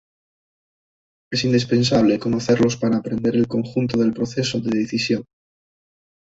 Es indispensable conocerlos para aprender el conjunto del proceso de decisión.